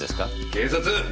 警察！